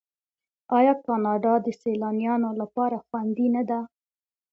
آیا کاناډا د سیلانیانو لپاره خوندي نه ده؟